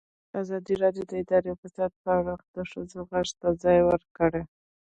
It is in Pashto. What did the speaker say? ازادي راډیو د اداري فساد په اړه د ښځو غږ ته ځای ورکړی.